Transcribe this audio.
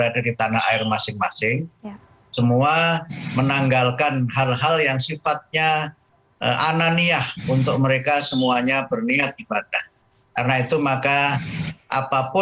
di siang hari itu